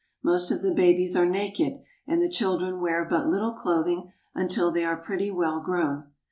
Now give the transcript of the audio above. Most of the babies are naked, and the children wear but Uttle clothing until they are pretty well grown.